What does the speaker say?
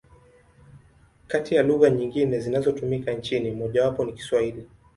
Kati ya lugha nyingine zinazotumika nchini, mojawapo ni Kiswahili.